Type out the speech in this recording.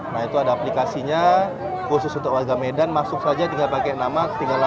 nah itu ada aplikasinya khusus untuk warga medan masuk saja tinggal pakai nama tinggal delapan